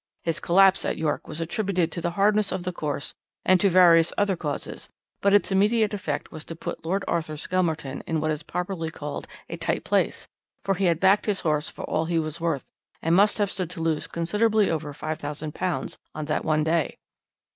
His collapse at York was attributed to the hardness of the course and to various other causes, but its immediate effect was to put Lord Arthur Skelmerton in what is popularly called a tight place, for he had backed his horse for all he was worth, and must have stood to lose considerably over £5000 on that one day.